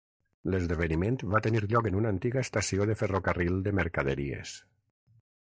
L'esdeveniment va tenir lloc en una antiga estació de ferrocarril de mercaderies.